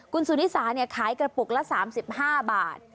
คุณสูนิสาเนี้ยขายกระปุกละสามสิบห้าบาท